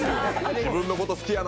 自分のこと好きやな。